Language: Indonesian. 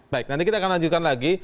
baik nanti kita akan lanjutkan lagi